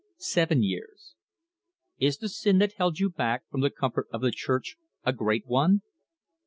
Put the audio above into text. "Seven years." "Is the sin that held you back from the comfort of the Church a great one?"